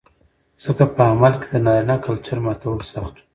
ځکه په عمل کې د نارينه کلچر ماتول سخت و